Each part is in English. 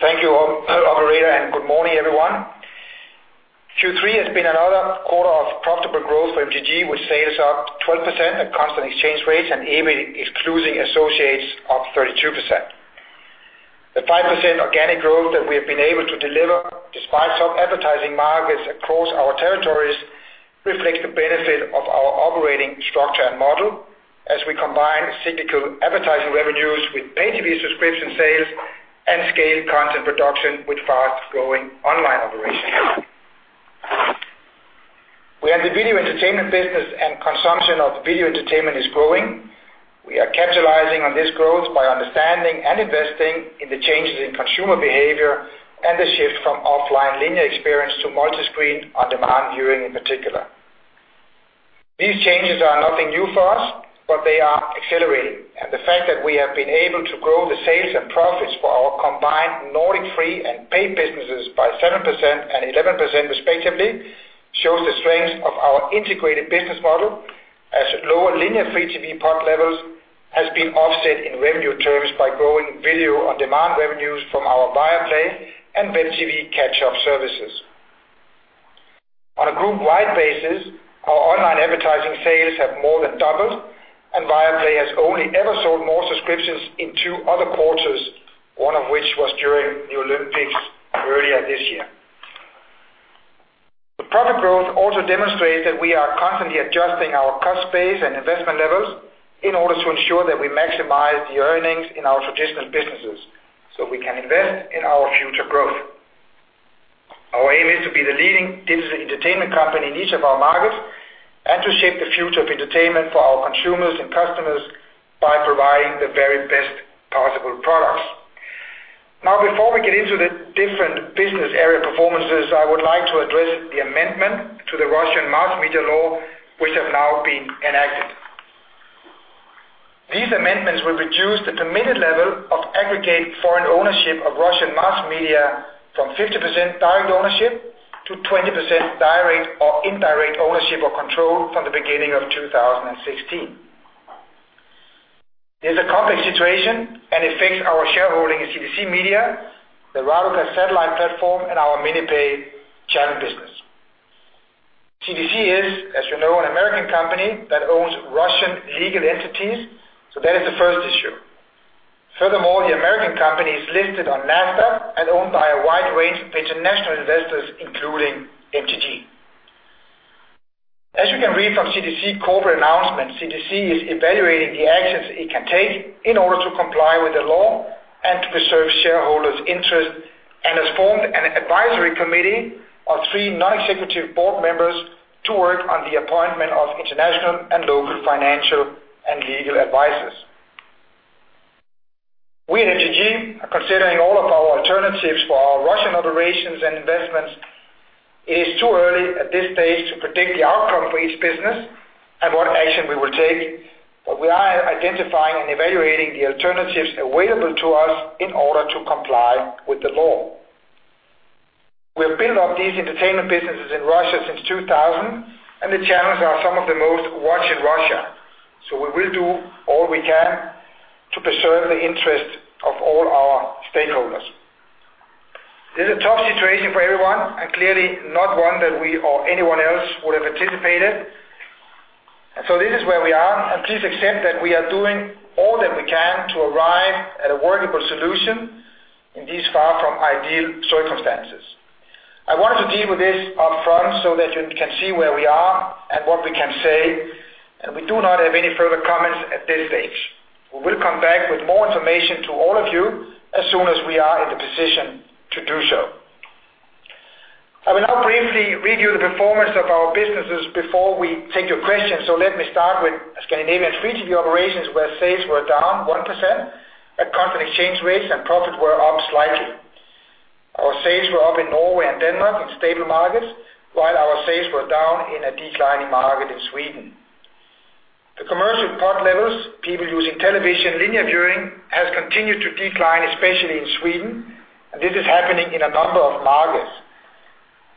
Thank you, operator, and good morning, everyone. Q3 has been another quarter of profitable growth for MTG, with sales up 12% at constant exchange rates and EBIT, excluding associates, up 32%. The 5% organic growth that we have been able to deliver, despite some advertising markets across our territories, reflects the benefit of our operating structure and model as we combine cyclical advertising revenues with pay TV subscription sales and scale content production with fast-growing online operations. We have the video entertainment business, and consumption of video entertainment is growing. We are capitalizing on this growth by understanding and investing in the changes in consumer behavior and the shift from offline linear experience to multi-screen on-demand viewing in particular. These changes are nothing new for us. They are accelerating, and the fact that we have been able to grow the sales and profits for our combined Nordic free and paid businesses by 7% and 11% respectively shows the strength of our integrated business model as lower linear free TV pod levels has been offset in revenue terms by growing video-on-demand revenues from our Viaplay and Viasat catch-up services. On a group-wide basis, our online advertising sales have more than doubled. Viaplay has only ever sold more subscriptions in two other quarters, one of which was during the Olympics earlier this year. The profit growth also demonstrates that we are constantly adjusting our cost base and investment levels in order to ensure that we maximize the earnings in our traditional businesses so we can invest in our future growth. Our aim is to be the leading digital entertainment company in each of our markets and to shape the future of entertainment for our consumers and customers by providing the very best possible products. Now, before we get into the different business area performances, I would like to address the amendment to the Russian mass media law, which have now been enacted. These amendments will reduce the permitted level of aggregate foreign ownership of Russian mass media from 50% direct ownership to 20% direct or indirect ownership or control from the beginning of 2016. This is a complex situation. It affects our shareholding in CTC Media, the Raduga satellite platform, and our mini-pay channel business. CTC is, as you know, an American company that owns Russian legal entities, so that is the first issue. Furthermore, the American company is listed on NASDAQ and owned by a wide range of international investors, including MTG. As you can read from CTC corporate announcements, CTC is evaluating the actions it can take in order to comply with the law and to preserve shareholders' interest and has formed an advisory committee of three non-executive board members to work on the appointment of international and local financial and legal advisors. We at MTG are considering all of our alternatives for our Russian operations and investments. It is too early at this stage to predict the outcome for each business and what action we will take. We are identifying and evaluating the alternatives available to us in order to comply with the law. We have built up these entertainment businesses in Russia since 2000, and the channels are some of the most watched in Russia, so we will do all we can to preserve the interest of all our stakeholders. This is a tough situation for everyone and clearly not one that we or anyone else would have anticipated. This is where we are, and please accept that we are doing all that we can to arrive at a workable solution in these far from ideal circumstances. I wanted to deal with this upfront so that you can see where we are and what we can say, and we do not have any further comments at this stage. We will come back with more information to all of you as soon as we are in the position to do so. I will now briefly review the performance of our businesses before we take your questions. Let me start with Scandinavian free TV operations, where sales were down 1% at constant exchange rates and profit were up slightly. Our sales were up in Norway and Denmark in stable markets, while our sales were down in a declining market in Sweden. The commercial pod levels, people using television linear viewing, has continued to decline, especially in Sweden, and this is happening in a number of markets.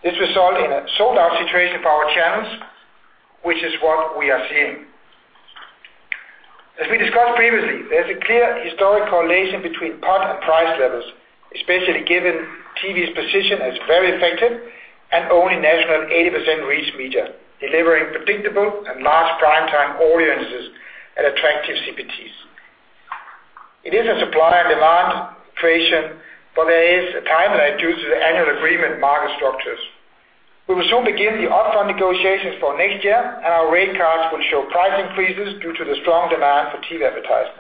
This results in a sold-out situation for our channels, which is what we are seeing. As we discussed previously, there's a clear historic correlation between pod and price levels, especially given TV's position as very effective and only national 80% reach media, delivering predictable and large primetime audiences at attractive CPTs. It is a supply and demand creation. There is a timeline due to the annual agreement market structures. We will soon begin the upfront negotiations for next year, and our rate cards will show price increases due to the strong demand for TV advertising.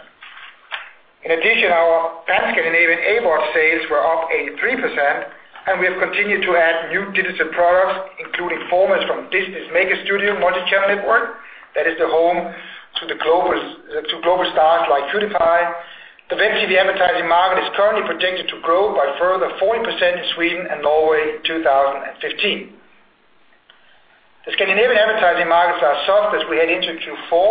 In addition, our Pan-Scandinavian AVOD sales were up 83%, and we have continued to add new digital products, including formats from Disney's Maker Studios multi-channel network. That is the home to global stars like PewDiePie. The Venchi advertising market is currently projected to grow by further 40% in Sweden and Norway 2015. The Scandinavian advertising markets are soft as we head into Q4,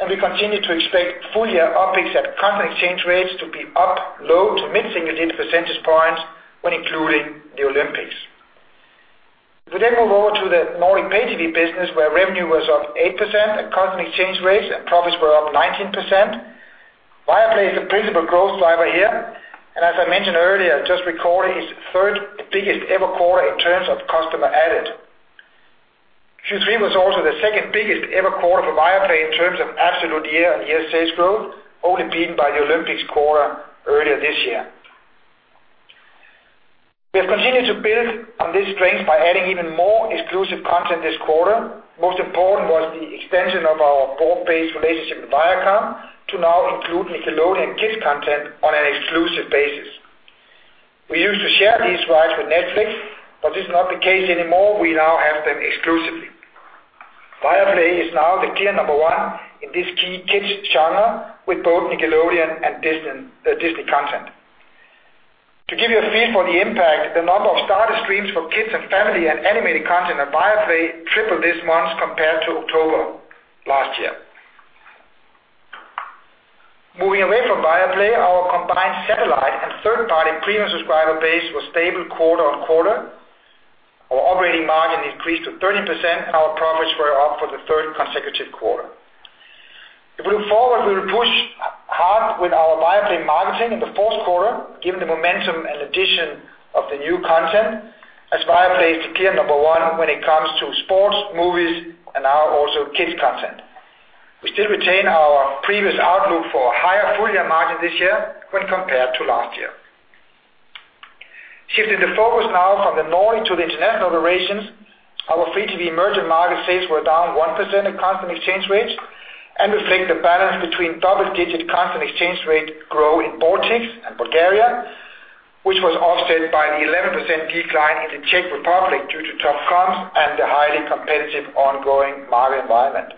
and we continue to expect full-year OpEx at constant exchange rates to be up low- to mid-single-digit percentage points when including the Olympics. We move over to the Nordic Pay-TV business, where revenue was up 8% at constant exchange rates and profits were up 19%. Viaplay is the principal growth driver here, and as I mentioned earlier, just recorded its third biggest ever quarter in terms of customer added. Q3 was also the second biggest ever quarter for Viaplay in terms of absolute year-on-year sales growth, only beaten by the Olympics quarter earlier this year. We have continued to build on this strength by adding even more exclusive content this quarter. Most important was the extension of our broad-based relationship with Viacom to now include Nickelodeon content on an exclusive basis. We used to share these rights with Netflix. This is not the case anymore. We now have them exclusively. Viaplay is now the clear number one in this key kids genre with both Nickelodeon and Disney content. To give you a feel for the impact, the number of starter streams for kids and family and animated content on Viaplay tripled this month compared to October last year. Moving away from Viaplay, our combined satellite and third-party premium subscriber base was stable quarter-on-quarter. Our operating margin increased to 13%, and our profits were up for the third consecutive quarter. If we look forward, we'll push hard with our Viaplay marketing in the fourth quarter, given the momentum and addition of the new content as Viaplay is clear number one when it comes to sports, movies, and now also kids content. We still retain our previous outlook for a higher full-year margin this year when compared to last year. Shifting the focus now from the Norway to the international operations, our free-to-air emerging market sales were down 1% at constant exchange rates and reflect the balance between double-digit constant exchange rate growth in Baltics and Bulgaria, which was offset by the 11% decline in the Czech Republic due to tough comps and the highly competitive ongoing market environment.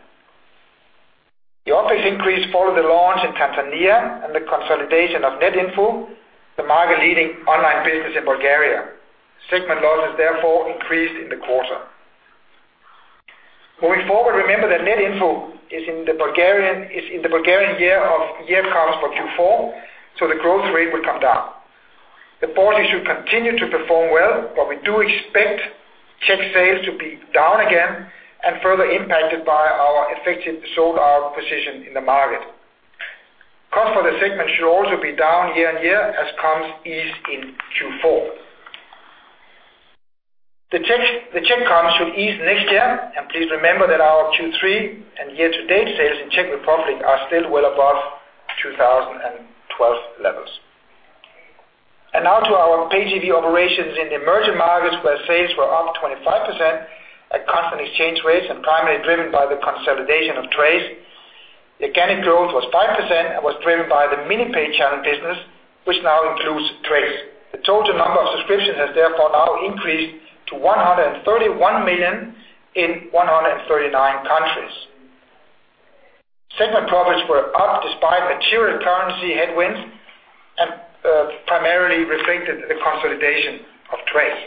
The office increase followed the launch in Tanzania and the consolidation of Netinfo, the market-leading online business in Bulgaria. Segment losses therefore increased in the quarter. Moving forward, remember that Netinfo is in the Bulgarian year of comps for Q4, so the growth rate will come down. The Baltics should continue to perform well, but we do expect Czech sales to be down again and further impacted by our effective sold-out position in the market. Cost for the segment should also be down year-on-year as comps ease in Q4. The Czech comps should ease next year, and please remember that our Q3 and year-to-date sales in Czech Republic are still well above 2012 levels. Now to our Pay-TV operations in the emerging markets where sales were up 25% at constant exchange rates and primarily driven by the consolidation of Trace. Organic growth was 5% and was driven by the mini-pay channel business, which now includes Trace. The total number of subscriptions has therefore now increased to 131 million in 139 countries. Segment profits were up despite material currency headwinds and primarily reflected the consolidation of Trace.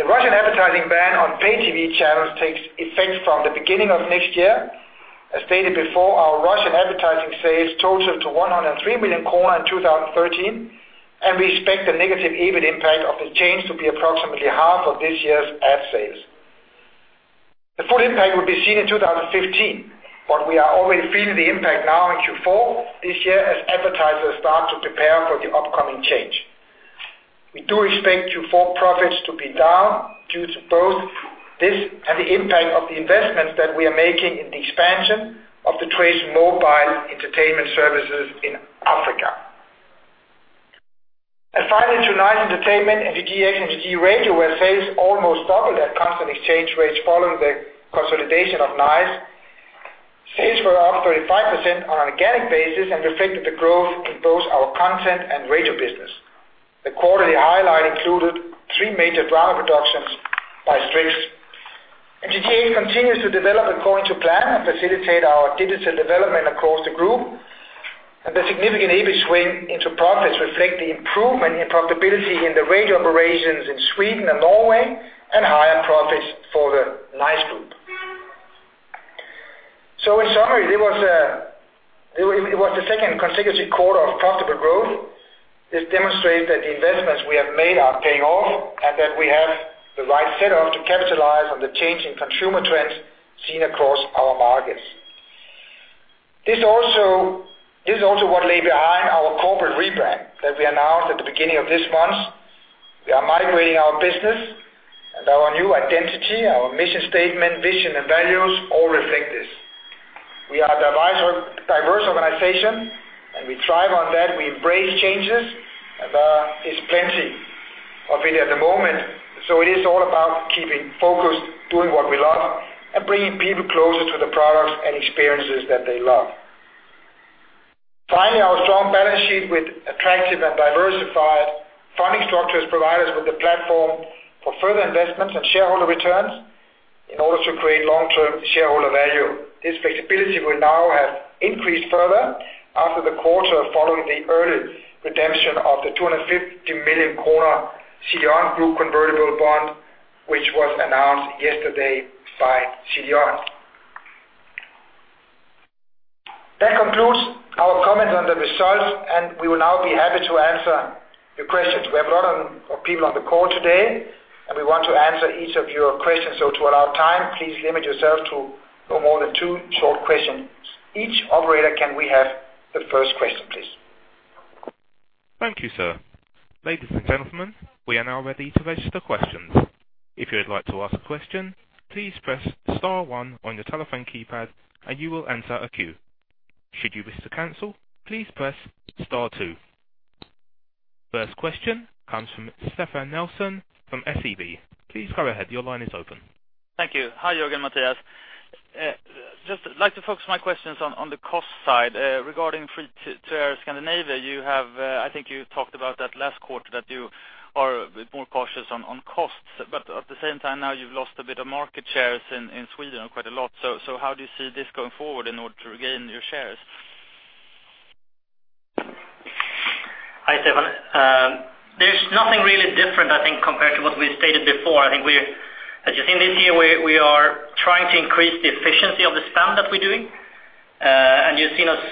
The Russian advertising ban on Pay-TV channels takes effect from the beginning of next year. As stated before, our Russian advertising sales totaled to 103 million kronor in 2013, and we expect the negative EBIT impact of the change to be approximately half of this year's ad sales. The full impact will be seen in 2015, but we are already feeling the impact now in Q4 this year as advertisers start to prepare for the upcoming change. We do expect Q4 profits to be down due to both this and the impact of the investments that we are making in the expansion of the Trace mobile entertainment services in Africa. Finally, to Nice Entertainment and the GH and the G range, where sales almost doubled at constant exchange rates following the consolidation of Nice. Sales were up 35% on an organic basis and reflected the growth in both our content and radio business. The quarterly highlight included three major drama productions by Strix. GTH continues to develop according to plan and facilitate our digital development across the group. The significant EBIT swing into profits reflect the improvement in profitability in the radio operations in Sweden and Norway and higher profits for the Nice group. In summary, it was the second consecutive quarter of profitable growth. This demonstrates that the investments we have made are paying off and that we have the right setup to capitalize on the changing consumer trends seen across our markets. This is also what lay behind our corporate rebrand that we announced at the beginning of this month. We are migrating our business and our new identity, our mission statement, vision, and values all reflect this. We are a diverse organization, and we thrive on that. We embrace changes, and there is plenty of it at the moment. It is all about keeping focused, doing what we love, and bringing people closer to the products and experiences that they love. Finally, our strong balance sheet with attractive and diversified funding structures provide us with the platform for further investments and shareholder returns in order to create long-term shareholder value. This flexibility will now have increased further after the quarter following the early redemption of the 250 million kronor Chyron Group convertible bond, which was announced yesterday by Cheiron. That concludes our comments on the results, and we will now be happy to answer your questions. We have a lot of people on the call today, and we want to answer each of your questions. To allow time, please limit yourself to no more than two short questions. Each operator, can we have the first question, please? Thank you, sir. Ladies and gentlemen, we are now ready to register questions. If you would like to ask a question, please press star 1 on your telephone keypad and you will enter a queue. Should you wish to cancel, please press star 2. First question comes from Stefan Nelson from SEB. Please go ahead. Your line is open. Thank you. Hi, Jørgen, Mathias. Just like to focus my questions on the cost side regarding free to air Scandinavia. I think you talked about that last quarter that you are a bit more cautious on costs, but at the same time now you've lost a bit of market shares in Sweden, quite a lot. How do you see this going forward in order to regain your shares? Hi, Stefan. There's nothing really different, I think, compared to what we stated before. As you've seen this year, we are trying to increase the efficiency of the spend that we're doing. You've seen us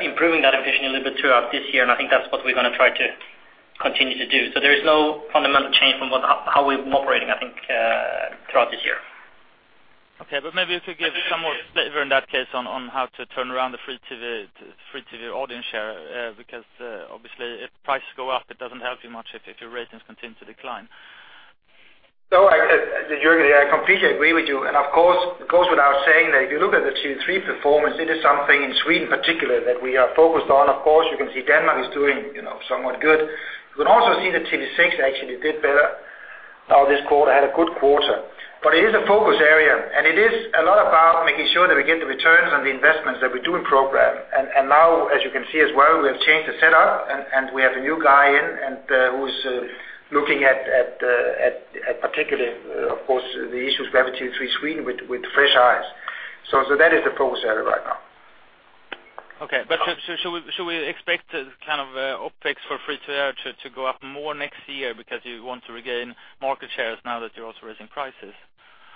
improving that efficiency a little bit throughout this year, and I think that's what we're going to try to continue to do. There is no fundamental change from how we've been operating, I think, throughout this year. Okay. Maybe you could give some more flavor in that case on how to turn around the free TV audience share. Because obviously if prices go up, it doesn't help you much if your ratings continue to decline. Jørgen, I completely agree with you. Of course, it goes without saying that if you look at the Q3 performance, it is something in Sweden particular that we are focused on. Of course, you can see Denmark is doing somewhat good. You can also see that TV6 actually did better. Now this quarter had a good quarter. It is a focus area, and it is a lot about making sure that we get the returns on the investments that we do in program. Now, as you can see as well, we have changed the setup and we have a new guy in who's looking at particular, of course, the issues we have with Q3 Sweden with fresh eyes. That is the focus area right now. Okay. Should we expect kind of OpEx for free to air to go up more next year because you want to regain market shares now that you're also raising prices?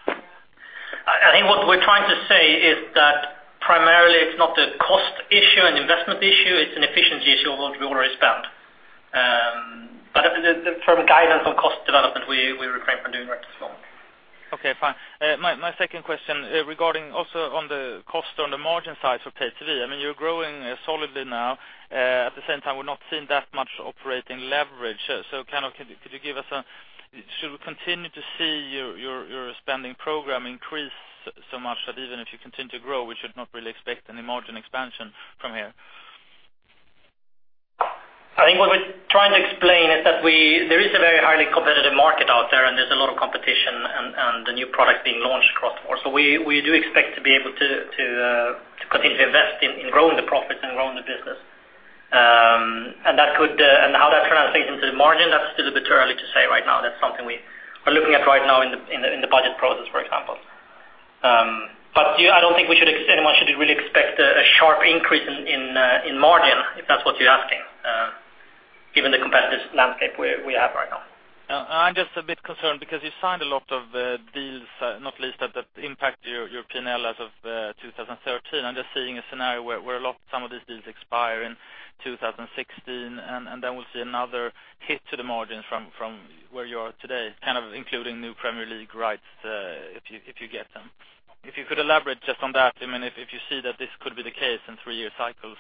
I think what we're trying to say is that primarily it's not a cost issue, an investment issue, it's an efficiency issue of what we already spent. From guidance on cost development, we refrain from doing right this moment. Okay, fine. My second question regarding also on the cost on the margin side for pay-TV. You're growing solidly now. At the same time, we're not seeing that much operating leverage. Should we continue to see your spending program increase so much that even if you continue to grow, we should not really expect any margin expansion from here? I think what we're trying to explain is that there is a very highly competitive market out there's a lot of competition and the new product being launched across the board. We do expect to be able to continue to invest in growing the profits and growing the business. How that translates into the margin, that's still a bit early to say right now. That's something we are looking at right now in the budget process, for example. I don't think anyone should really expect a sharp increase in margin, if that's what you're asking, given the competitive landscape we have right now. I'm just a bit concerned because you signed a lot of deals, not least that impact your P&L as of 2013. I'm just seeing a scenario where some of these deals expire in 2016, then we'll see another hit to the margins from where you are today, kind of including new Premier League rights, if you get them. If you could elaborate just on that, if you see that this could be the case in three-year cycles.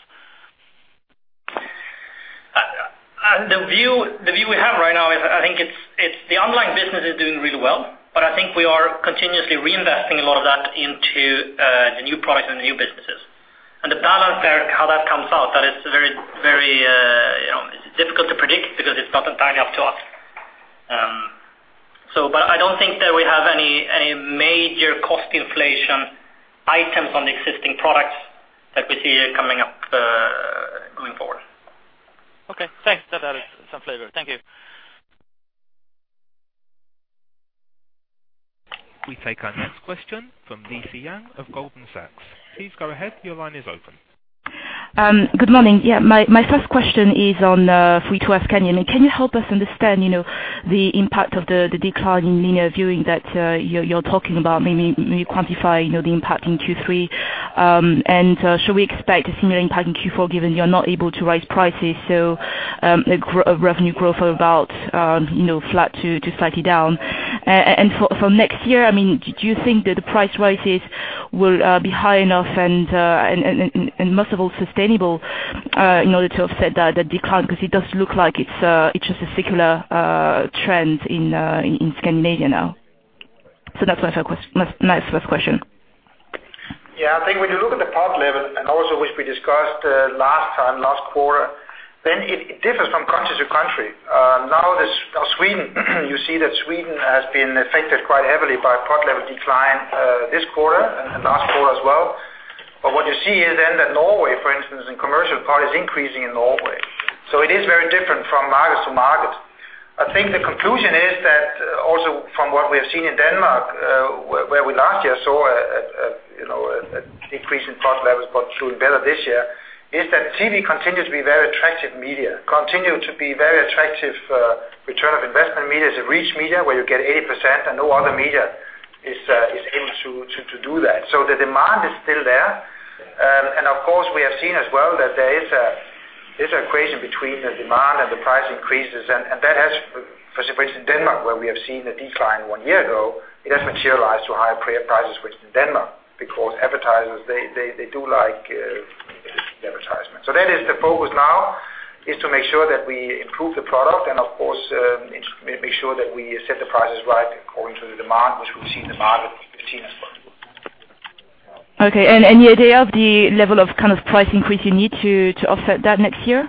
The view we have right now is I think it's the online business is doing really well, but I think we are continuously reinvesting a lot of that into the new products and the new businesses. The balance there, how that comes out, that is very difficult to predict because it's not entirely up to us. I don't think that we have any major cost inflation items on the existing products that we see coming up going forward. Okay. Thanks. That adds some flavor. Thank you. We take our next question from Lisa Yang of Goldman Sachs. Please go ahead. Your line is open. Good morning. My first question is on free to air Scandinavia. Can you help us understand the impact of the decline in linear viewing that you're talking about, maybe quantify the impact in Q3? Should we expect a similar impact in Q4 given you're not able to raise prices, so a revenue growth of about flat to slightly down? For next year, do you think that the price rises will be high enough and most of all sustainable in order to offset that decline? It does look like it's just a secular trend in Scandinavia now. That's my first question. I think when you look at the pod level and also which we discussed last time, last quarter, it differs from country to country. Sweden, you see that Sweden has been affected quite heavily by pod level decline this quarter and last quarter as well. What you see is that Norway, for instance, in commercial pod is increasing in Norway. It is very different from market to market. I think the conclusion is that also from what we have seen in Denmark, where we last year saw a decrease in pod levels, but doing better this year, is that TV continues to be very attractive media, continues to be very attractive return of investment media. It's a reach media where you get 80% and no other media is able to do that. The demand is still there. Of course, we have seen as well that there is an equation between the demand and the price increases. That has, for separation Denmark, where we have seen a decline one year ago, it has materialized to higher prices, which is in Denmark because advertisers, they do like the advertisement. That is the focus now, is to make sure that we improve the product and of course, make sure that we set the prices right according to the demand, which we see in the market we've seen as well. Okay. Any idea of the level of price increase you need to offset that next year?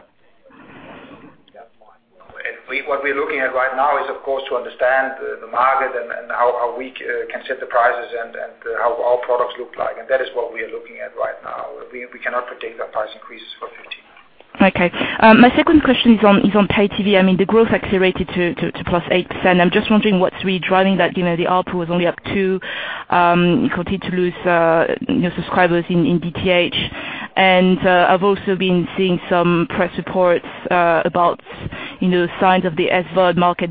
What we're looking at right now is, of course, to understand the market and how we can set the prices and how our products look like. That is what we are looking at right now. We cannot predict our price increases for 2015. Okay. My second question is on pay TV. The growth accelerated to +8%. I'm just wondering what's really driving that. The output was only up 2, you continue to lose subscribers in DTH. I've also been seeing some press reports about signs of the SVOD market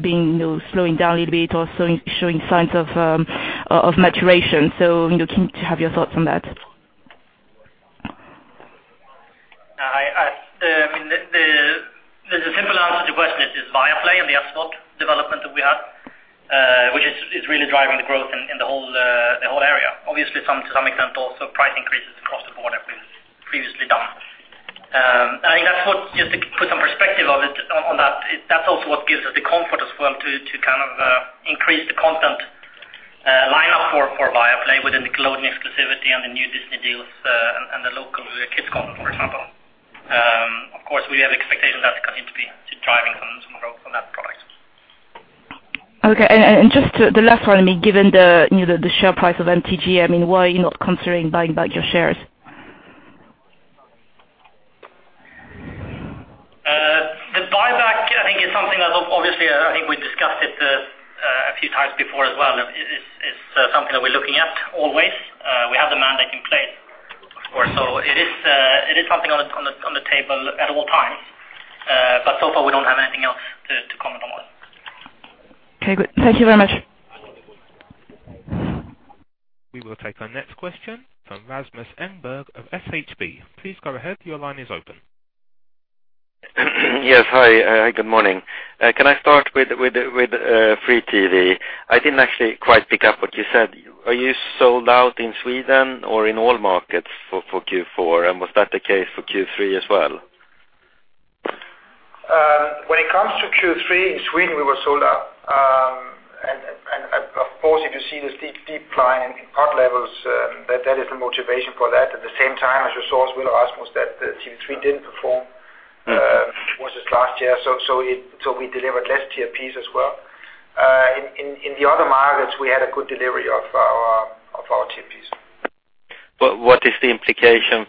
slowing down a little bit or showing signs of maturation. Keen to have your thoughts on that. The simple answer to your question is Viaplay and the SVOD development that we have, which is really driving the growth in the whole area. Obviously, to some extent, also price increases across the board have been previously done. Just to put some perspective on that's also what gives us the comfort as well to kind of increase the content lineup for Viaplay within the global exclusivity and the new Disney deals, and the local kids content, for example. Of course, we have expectations that's going to be driving some growth on that product. Okay. Just the last one, given the share price of MTG, why are you not considering buying back your shares? The buyback I think is something that obviously, I think we discussed it a few times before as well, it's something that we're looking at always. We have the mandate in place, of course. It is something on the table at all times. So far we don't have anything else to comment on. Okay, good. Thank you very much. We will take our next question from Rasmus Engberg of Handelsbanken. Please go ahead. Your line is open. Yes. Hi, good morning. Can I start with free TV? I didn't actually quite pick up what you said. Are you sold out in Sweden or in all markets for Q4? Was that the case for Q3 as well? When it comes to Q3, in Sweden, we were sold out. Of course, if you see the steep decline in pod levels, that is the motivation for that. At the same time, as you saw as well, Rasmus, that TV3 didn't perform versus last year, we delivered less TRPs as well. In the other markets, we had a good delivery of our TRPs. What is the implication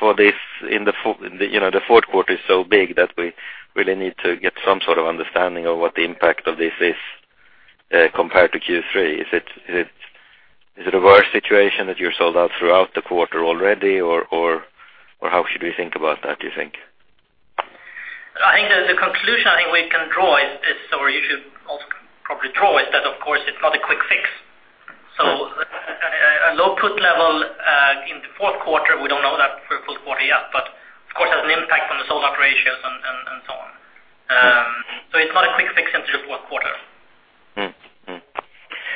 for this in the fourth quarter is so big that we really need to get some sort of understanding of what the impact of this is, compared to Q3. Is it a worse situation that you're sold out throughout the quarter already or how should we think about that, do you think? I think the conclusion I think we can draw is, or you should also probably draw, is that of course it's not a quick fix. A low pod level, in the fourth quarter, we don't know that for a full quarter yet, but of course has an impact on the sold-out ratios and so on. It's not a quick fix until the fourth quarter.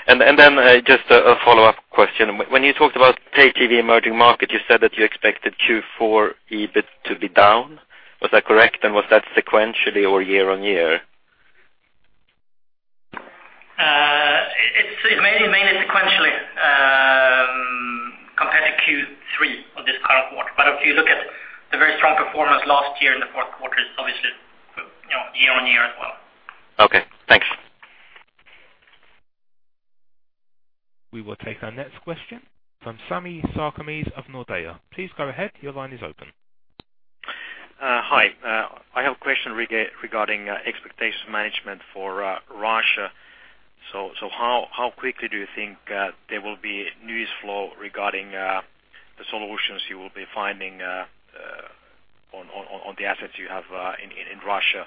Then, just a follow-up question. When you talked about pay TV emerging market, you said that you expected Q4 EBIT to be down. Was that correct? Was that sequentially or year-on-year? Mainly sequentially, compared to Q3 of this current quarter. If you look at the very strong performance last year in the fourth quarter, it's obviously year-on-year as well. Okay, thanks. We will take our next question from Sami Sarkamies of Nordea. Please go ahead. Your line is open. Hi. I have a question regarding expectation management for Russia. How quickly do you think there will be news flow regarding the solutions you will be finding on the assets you have in Russia?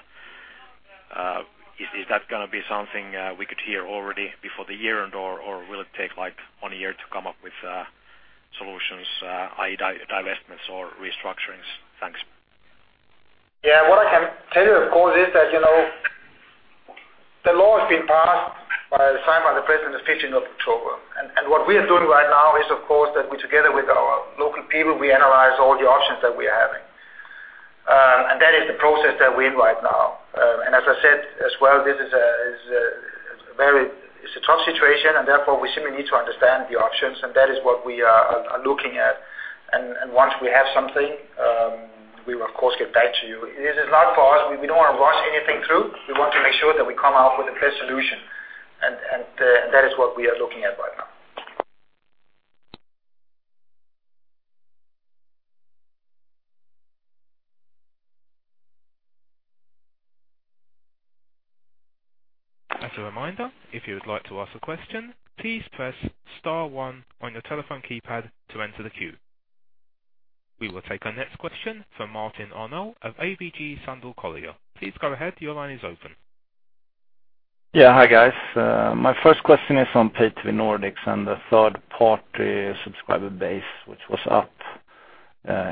Is that going to be something we could hear already before the year-end, or will it take like one year to come up with solutions, i.e., divestments or restructurings? Thanks. Yeah. What I can tell you, of course, is that the law has been passed, signed by the president the 15th of October. What we are doing right now is, of course, that we, together with our local people, we analyze all the options that we are having. That is the process that we're in right now. As I said as well, this is a tough situation and therefore we simply need to understand the options, and that is what we are looking at. Once we have something, we will of course, get back to you. This is not for us. We don't want to rush anything through. We want to make sure that we come out with a clear solution. That is what we are looking at right now. As a reminder, if you would like to ask a question, please press star one on your telephone keypad to enter the queue. We will take our next question from Martin Arnold of ABG Sundal Collier. Please go ahead. Your line is open. Yeah. Hi, guys. My first question is on pay-TV Nordics and the third-party subscriber base, which was up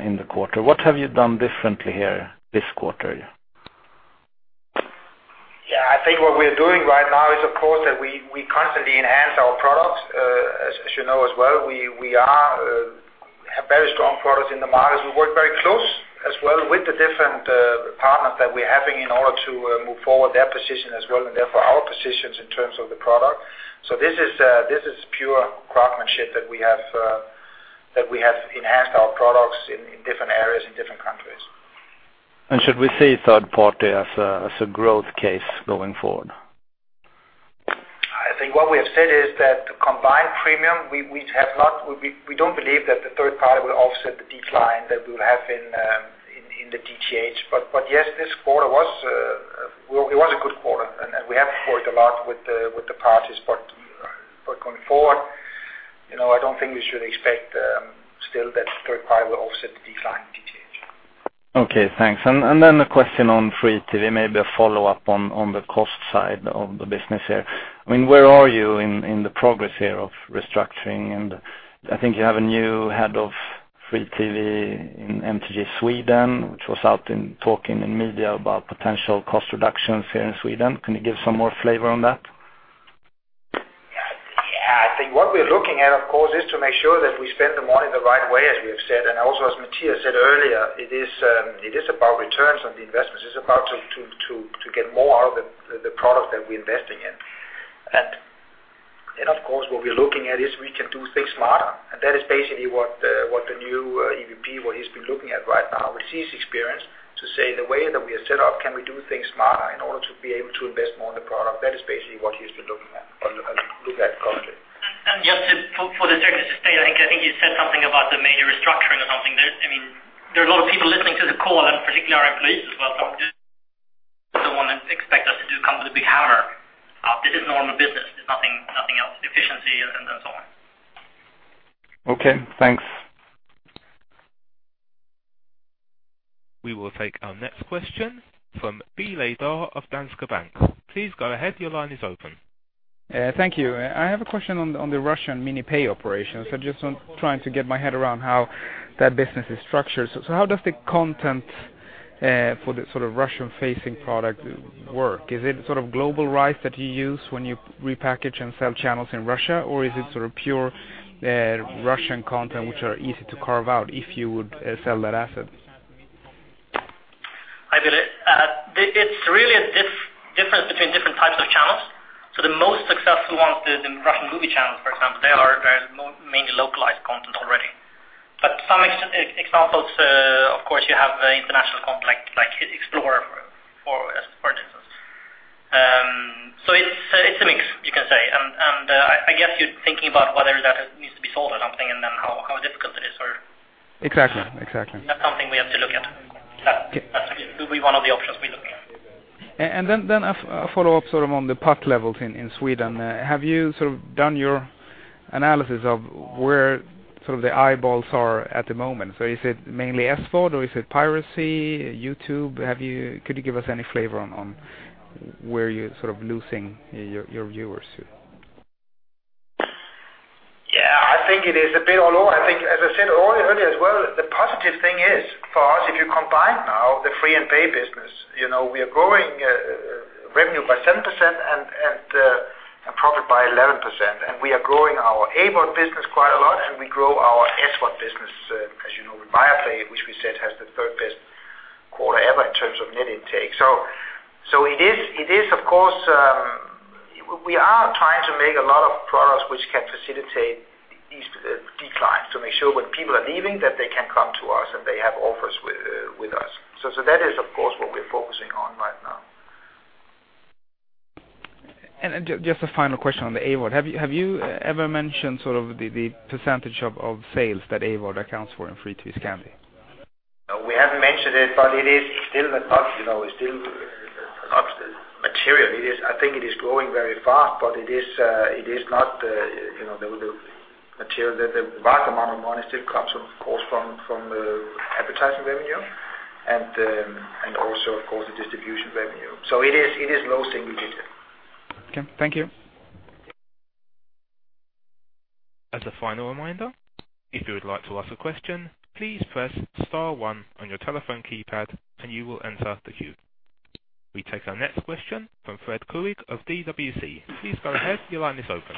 in the quarter. What have you done differently here this quarter? Yeah, I think what we're doing right now is, of course, that we constantly enhance our products. As you know as well, we have very strong products in the market. We work very close as well with the different partners that we're having in order to move forward their position as well, and therefore, our positions in terms of the product. This is pure craftsmanship that we have enhanced our products in different areas, in different countries. Should we see third-party as a growth case going forward? I think what we have said is that the combined premium, we don't believe that the third party will offset the decline that we will have in the DTH. Yes, this quarter was a good quarter, and we have covered a lot with the parties. Going forward, I don't think we should expect still that third party will offset the decline in DTH. Okay, thanks. A question on free TV, maybe a follow-up on the cost side of the business here. Where are you in the progress here of restructuring? I think you have a new head of free TV in MTG Sweden, which was out talking in media about potential cost reductions here in Sweden. Can you give some more flavor on that? I think what we're looking at, of course, is to make sure that we spend the money the right way, as we have said, and also as Mathias said earlier, it's about returns on the investments. It's about to get more out of the product that we're investing in. Of course, what we're looking at is we can do things smarter, and that is basically what the new EVP, what he's been looking at right now with his experience to say the way that we are set up, can we do things smarter in order to be able to invest more in the product? That is basically what he's been looking at constantly. Just for the sake of state, I think you said something about the major restructuring or something. There are a lot of people listening to the call, and particularly our employees as well. Just so they don't expect us to come with a big hammer. This is normal business. It's nothing else. Efficiency and so on. Okay, thanks. We will take our next question from Ville Laar of Danske Bank. Please go ahead. Your line is open. Thank you. I have a question on the Russian mini-pay operations. I am just trying to get my head around how that business is structured. How does the content for the Russian-facing product work? Is it sort of global rights that you use when you repackage and sell channels in Russia? Is it sort of pure Russian content which are easy to carve out if you would sell that asset? Hi, Ville. It is really a difference between different types of channels. The most successful ones, the Russian movie channels, for example, they are mainly localized content already. Some examples, of course, you have international content like, for instance. It is a mix, you can say. I guess you are thinking about whether that needs to be sold or something, how difficult it is or Exactly. That's something we have to look at. That will be one of the options we're looking at. A follow-up sort of on the pod levels in Sweden. Have you sort of done your analysis of where the eyeballs are at the moment? Is it mainly SVOD or is it piracy, YouTube? Could you give us any flavor on where you're sort of losing your viewers? Yeah, I think it is a bit all over. I think, as I said earlier as well, the positive thing is for us, if you combine now the free and pay business, we are growing revenue by 7% and profit by 11%. We are growing our AVOD business quite a lot, and we grow our SVOD business, as you know, with Viaplay, which we said has the third best quarter ever in terms of net intake. It is, of course, we are trying to make a lot of products which can facilitate these declines to make sure when people are leaving, that they can come to us, and they have offers with us. That is, of course, what we're focusing on right now. Just a final question on the AVOD. Have you ever mentioned sort of the % of sales that AVOD accounts for in Free TV Scandinavia? We haven't mentioned it is still not material. I think it is growing very fast, it is not the material. The vast amount of money still comes, of course, from advertising revenue and also, of course, the distribution revenue. It is low single digit. Thank you. As a final reminder, if you would like to ask a question, please press star one on your telephone keypad, and you will enter the queue. We take our next question from Fred Kuig of DWC. Please go ahead. Your line is open.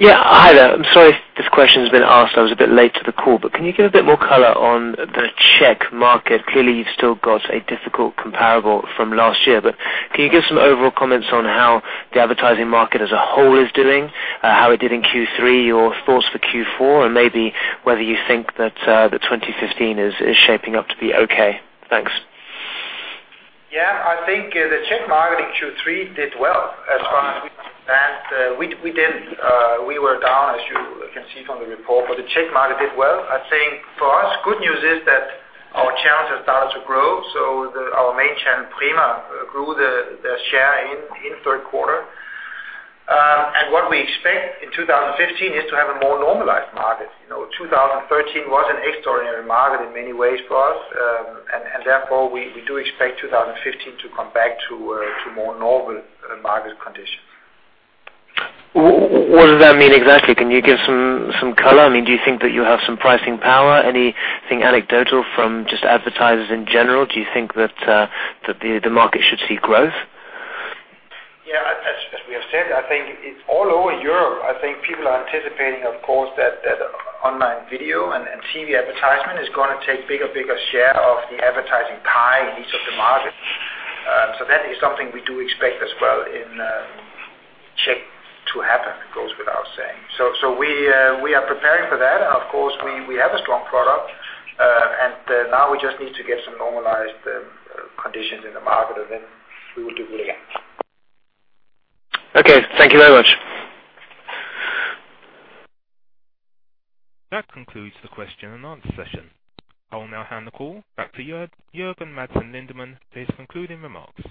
Hi there. I'm sorry if this question has been asked. I was a bit late to the call, can you give a bit more color on the Czech market? Clearly, you've still got a difficult comparable from last year, can you give some overall comments on how the advertising market as a whole is doing, how it did in Q3, your thoughts for Q4, and maybe whether you think that 2015 is shaping up to be okay? Thanks. Yeah, I think the Czech market in Q3 did well as far as we can advance. We were down, as you can see from the report, but the Czech market did well. I think for us, good news is that our channels have started to grow. Our main channel, Prima, grew their share in the third quarter. What we expect in 2015 is to have a more normalized market. 2013 was an extraordinary market in many ways for us. Therefore, we do expect 2015 to come back to more normal market conditions. What does that mean exactly? Can you give some color? Do you think that you have some pricing power? Anything anecdotal from just advertisers in general? Do you think that the market should see growth? Yeah. As we have said, I think all over Europe, I think people are anticipating, of course, that online video and TV advertisement is going to take bigger share of the advertising pie in each of the markets. That is something we do expect as well in Czech to happen. It goes without saying. We are preparing for that, and of course, we have a strong product. Now we just need to get some normalized conditions in the market, then we will do really well. Okay. Thank you very much. That concludes the question and answer session. I will now hand the call back to Jørgen Madsen Lindemann for his concluding remarks.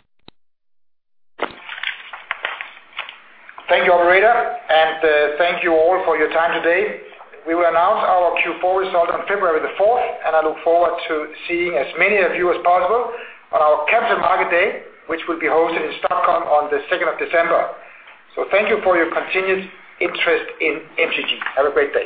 Thank you, operator, and thank you all for your time today. We will announce our Q4 results on February the 4th, and I look forward to seeing as many of you as possible on our Capital Market Day, which will be hosted in Stockholm on the 2nd of December. Thank you for your continued interest in MTG. Have a great day.